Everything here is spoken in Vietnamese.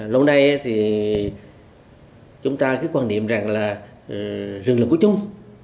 lâu nay thì chúng ta cái quan điểm rằng là rừng là của chúng